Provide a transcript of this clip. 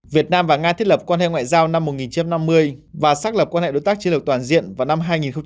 việt nam và nga thiết lập quan hệ ngoại giao năm một nghìn chín trăm năm mươi và xác lập quan hệ đối tác chiến lược toàn diện vào năm hai nghìn hai mươi